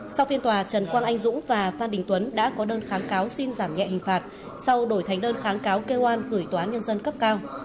sau phiên tòa trần quang anh dũng và phan đình tuấn đã có đơn kháng cáo xin giảm nhẹ hình phạt sau đổi thành đơn kháng cáo kêu an gửi tòa nhân dân cấp cao